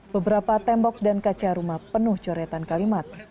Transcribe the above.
beberapa tembok dan kaca rumah penuh coretan kalimat